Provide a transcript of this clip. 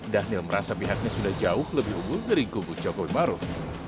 dhanil merasa pihaknya sudah jauh lebih unggul dari kubu jokowi maruf